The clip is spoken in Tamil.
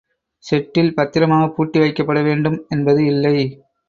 ஷெட்டில் பத்திரமாகப் பூட்டி வைக்கப்படவேண்டும் என்பது இல்லை.